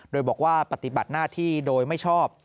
โดยบอกว่าปฏิบัติหน้าที่โดยไม่ชอบ